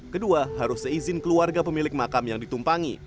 kedua harus seizin keluarga pemilik makam yang ditumpangi